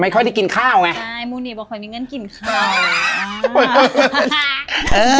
ค่อยได้กินข้าวไงใช่มูนีบอกค่อยมีเงินกินข้าวอ่า